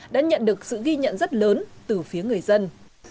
đã nhận được sự ghi nhận rất lớn từ phía người dân